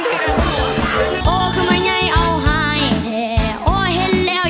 ไม่ยอมให้ฟ้าลือกรอยลิศคิด